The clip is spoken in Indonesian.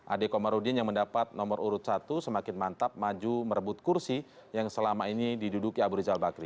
ade komarudin yang mendapat nomor urut satu semakin mantap maju merebut kursi yang selama ini diduduki abu rizal bakri